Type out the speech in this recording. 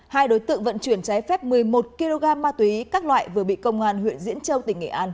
hai đối tượng vận chuyển trái phép một mươi một kg ma túy các loại vừa bị công an huyện diễn châu tỉnh nghệ an